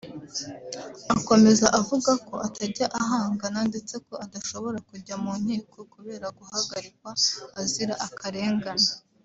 Akomeza avuga ko atajya ahangana ndetse ko adashobora kujya mu nkiko kubera guhagarikwa azira akarengane